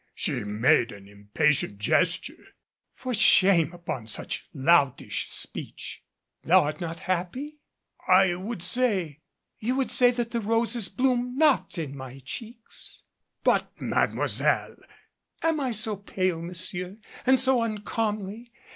She made an impatient gesture. "For shame upon such a loutish speech! Thou art not happy!" "I would say " "You would say that the roses bloom not in my cheeks " "But, Mademoiselle " "Am I so pale, monsieur? And so uncomely?